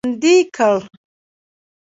بندي کړ.